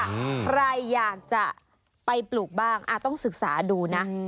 ใครอยากจะไปปลูกบ้างอ่าต้องศึกษาดูนะ